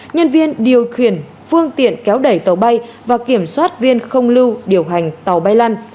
nhân viên điều khiển phương tiện kéo đẩy tàu bay và kiểm soát viên không lưu điều hành tàu bay lăn